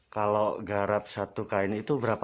kalau garap satu kain itu berapa